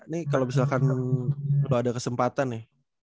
nih kalau misalkan lu ada kesempatan nih